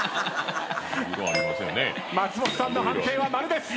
松本さんの判定はマルです。